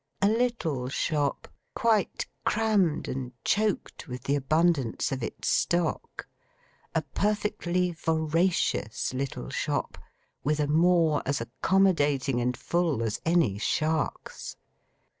A little shop, quite crammed and choked with the abundance of its stock; a perfectly voracious little shop, with a maw as accommodating and full as any shark's.